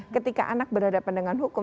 ketika anak berhadapan dengan hukum